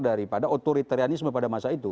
daripada otoritarianisme pada masa itu